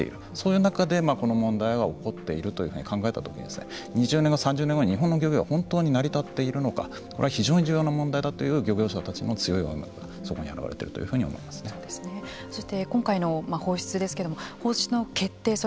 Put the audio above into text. そういう中でこの問題が起こっていると考えた時に２０年後、３０年後日本の漁業は本当に成り立っているのかこれは非常に重要な問題だという漁業者たちの強い思いがそして今回の放出ですけれども放出の決定